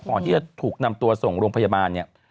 ก่อนที่จะถูกนำตัวส่งโรงพยาบาลเนี่ย